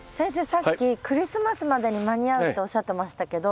さっきクリスマスまでに間に合うっておっしゃってましたけど